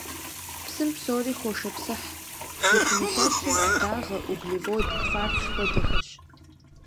Псым псори хошыпсыхь, зыпэмылъэщыр дагъэ, углевод, кварц хуэдэхэрщ.